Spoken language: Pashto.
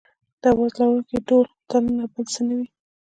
د اواز لرونکي ډهل دننه بل څه نه وي.